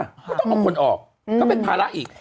ก็ต้องเอาคนออกก็เป็นภาระอีก